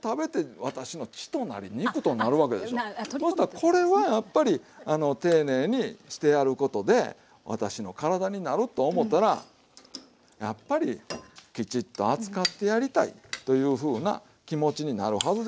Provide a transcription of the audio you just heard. これはやっぱり丁寧にしてやることで私の体になると思ったらやっぱりきちっと扱ってやりたいというふうな気持ちになるはずですわ。